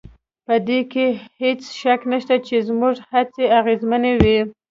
په دې کې هېڅ شک نشته چې زموږ هڅې اغېزمنې وې